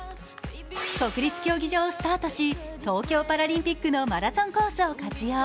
国立競技場をスタートし東京パラリンピックのマラソンコースを活用。